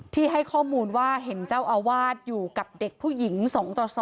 ให้ข้อมูลว่าเห็นเจ้าอาวาสอยู่กับเด็กผู้หญิง๒ต่อ๒